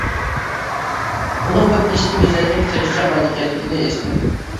ئۇنىڭ بىر ئېسىل مىجەزلىك تىرىشچان بالا ئىكەنلىكىنى ھېس قىلدى.